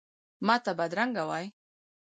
ماته بدرنګه وایې،